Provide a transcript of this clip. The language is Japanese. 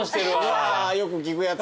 うわよく聞くやつ。